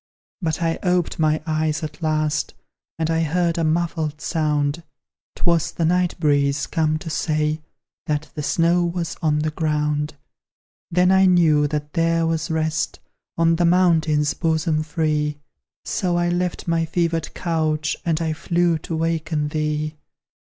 But I oped my eyes at last, And I heard a muffled sound; 'Twas the night breeze, come to say That the snow was on the ground. Then I knew that there was rest On the mountain's bosom free; So I left my fevered couch, And I flew to waken thee!